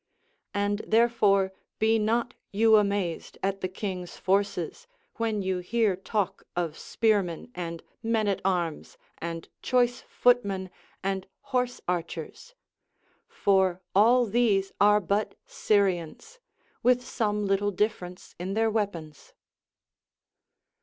And therefore be not you amazed at the king's forces, when you hear talk of spearmen and men at arms and choice footmen and horse archers, for all these are but Syrians, with some little difference in their Aveapons.